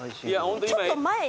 ちょっと前にね。